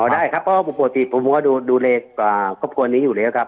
อ๋อได้ครับเพราะปกติผมก็ดูเลขครอบครัวนี้อยู่เลยครับ